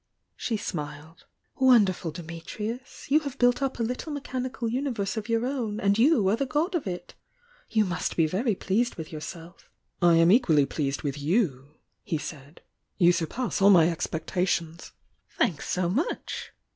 She smiled. "Wonderful Dimitrius! You have built up a little mechanical universe of your own and you are the god of it! You must be very pleased with your self!" "I am equally pleased with you," he said. . "You surpass all my expectations." "Thanks so much!"